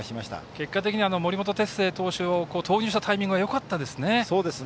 結果的には森本哲星投手を投入したタイミングがよかったですね。